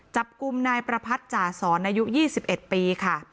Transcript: จับกุมนายประพัทธ์จ่าศรในยุค๒๑ปีค่ะ